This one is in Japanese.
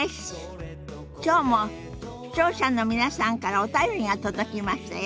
きょうも視聴者の皆さんからお便りが届きましたよ。